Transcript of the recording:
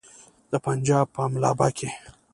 د پنجاب په امباله کې.